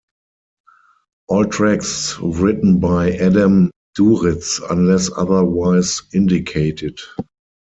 All tracks written by Adam Duritz unless otherwise indicated.